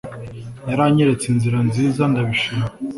yaranyeretse inzira nziza, ndabishima